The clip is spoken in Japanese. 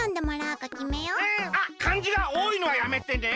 うん！あっかんじがおおいのはやめてね！